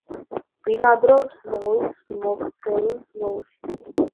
ბინადრობს ზღვის მოქცევის ზოლში.